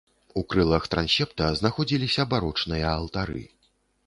У крылах трансепта знаходзіліся барочныя алтары.